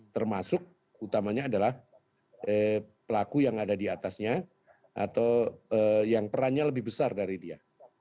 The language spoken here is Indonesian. termasuk utamanya adalah pelaku yang ada di atasnya atau yang perannya lebih besar dari dia